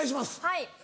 はい。